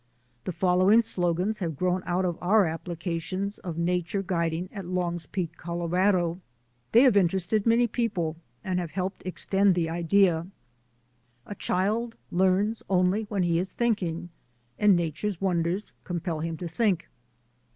The following slogans have grown out of our ap plications of nature guiding at Long's Peak, Colo rado. They have interested many people and have helped extend the idea: A child learns only when he is thinking, and na ture's wonders compel him to think.